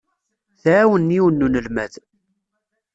Tɛawen yiwen n unelmad.